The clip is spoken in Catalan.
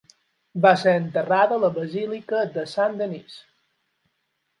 Va ser enterrada a la Basílica de Saint-Denis.